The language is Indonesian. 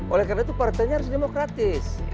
oleh karena itu partainya harus demokratis